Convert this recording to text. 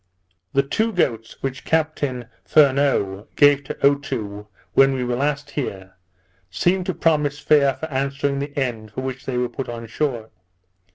The two goats which Captain Furneaux gave to Otoo when we were last here, seemed to promise fair for answering the end for which they were put on shore.